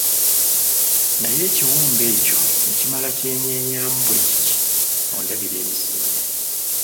Naye ekiwumbe ekyo ne kimala kyenyeenyamu bwe kiti ondabira emisinde.